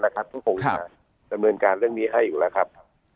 ก็คงจะดำเนินการเรื่องนี้ให้อยู่แล้วครับ